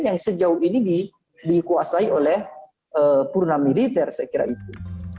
yang sejauh ini dikuasai oleh purna militer saya kira itu